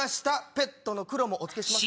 ペットのクロもおつけします。